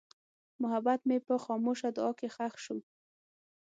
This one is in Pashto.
محبت مې په خاموشه دعا کې ښخ شو.